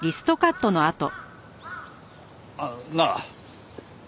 あっなあ。